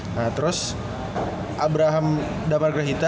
nah terus abraham ndamargerahita